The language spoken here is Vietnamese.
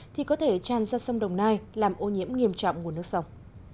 thì có thể tràn ra sông đồng nai làm ô nhiễm nghiêm trọng nguồn nước sông